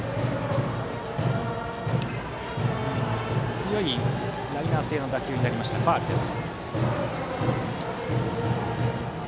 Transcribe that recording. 強いライナー性の打球になりまして、ファウルです。